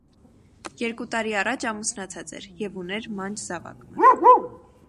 Երկու տարի առաջ ամուսնացած էր եւ ունէր մանչ զաւակ մը։